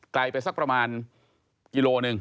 ไกลไปสักประมาณกิโลหนึ่ง